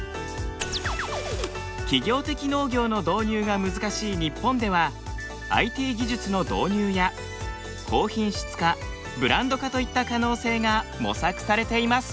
企業的農業の導入が難しい日本ではＩＴ技術の導入や高品質化ブランド化といった可能性が模索されています。